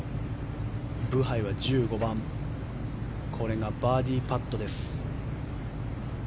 ブハイは１５番のバーディーパット。